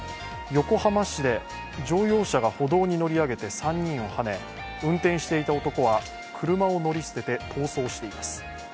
横浜市で乗用車が歩道に乗り上げて３人をはね、運転していた男は車を乗り捨てて逃走しています。